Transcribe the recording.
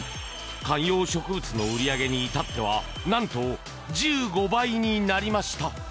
観葉植物の売り上げに至ってはなんと１５倍になりました。